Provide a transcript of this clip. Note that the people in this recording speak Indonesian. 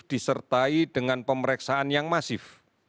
disertai dengan pemeriksaan yang masif